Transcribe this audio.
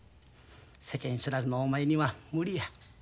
世間知らずのお前には無理や。